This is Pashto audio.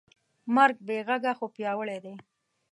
مرګ بېغږه خو پیاوړی دی.